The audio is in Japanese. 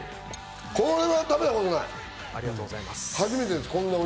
これは食べたことない。